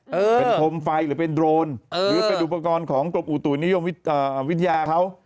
เป็นพรมไฟหรือเป็นโรนหรือเป็นอุปกรณ์ของกรมอุตุนิยมวิทยาเขา